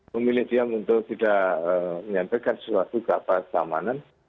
memilih diam untuk tidak menyampaikan sesuatu ke atas keamanan